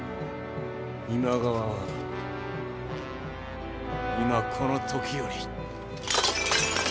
今川は今この時より。